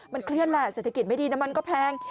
มันเครียดล่ะเศรษฐกิจไม่ดีนะมันก็แพง